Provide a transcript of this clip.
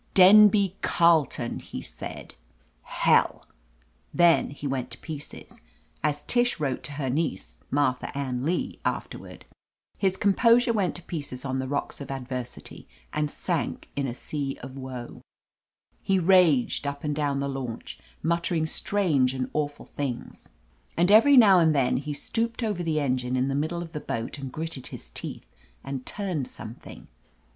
"Denby Carleton !" he said. "Hell 1" Then he went to pieces. As Tish wrote to her niece, Martha Ann Lee, afterward, "his composure went to pieces on the rocks of ad versity, and sank in a sea of woe." He raged up and down the launch, muttering strange 319 o THE AMAZING ADVENTURES and awful things, and every now and then he stooped over the engine in the middle of the boat and gritted his teeth and turned some thing.